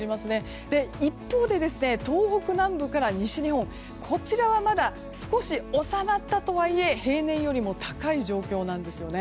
一方で東北南部から西日本こちらはまだ少し収まったとはいえ平年よりも高い状況なんです。